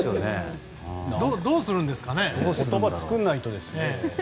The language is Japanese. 言葉作らないとですね。